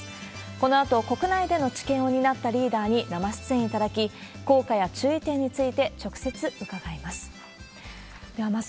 このあと、国内での治験を担ったリーダーに生出演いただき、効果や注意点について直接伺います。